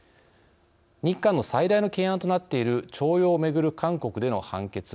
日韓の最大の懸案となっている徴用をめぐる韓国での判決。